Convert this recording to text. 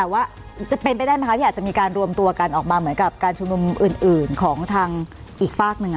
ว่าจะเป็นไปได้ไหมคะที่อาจจะมีการรวมตัวกันออกมาเหมือนกับการชุมนุมอื่นของทางอีกฝากหนึ่ง